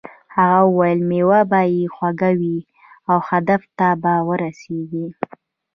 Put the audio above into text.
هغه وویل میوه به یې خوږه وي او هدف ته به ورسیږې.